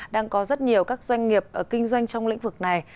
đang có rất nhiều các doanh nghiệp kinh doanh trong lĩnh vực này